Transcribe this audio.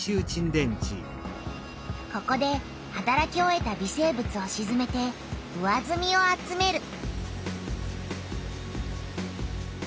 ここではたらき終えた微生物をしずめて上ずみを集める。